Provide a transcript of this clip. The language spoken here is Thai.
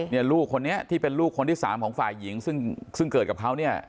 ลูกคนนี้ที่เป็นลูกคนที่สามของฝ่ายหญิงซึ่งซึ่งเกิดกับเขาเนี่ย